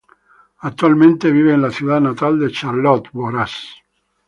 Actualmente viven en la ciudad natal de Charlotte, Borås.